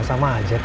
sama aja kak